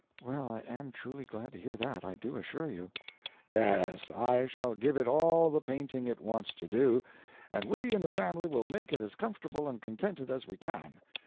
"Well, I am truly glad to hear that, I do assure you." "Yes, I shall give it all the painting it wants to do, and we and the family will make it as comfortable and contented as we can.